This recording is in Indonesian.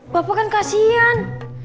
bapak kan kasihan